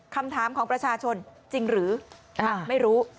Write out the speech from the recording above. คำถามของประชาชนจริงหรือไม่รู้